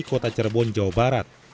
kota cerebon jawa barat